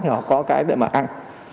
thì họ có cái để mà ăn